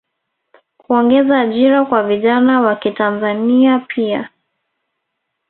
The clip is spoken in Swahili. kuongeza ajira kwa vijana wakitanzania pia